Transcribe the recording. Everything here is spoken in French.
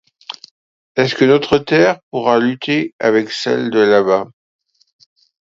Est-ce que notre terre pourra lutter avec celle de là-bas?